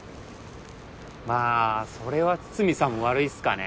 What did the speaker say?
まぁそれは筒見さんも悪いっすかね。